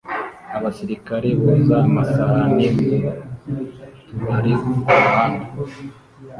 Abasirikare boza amasahani mu tubari kumuhanda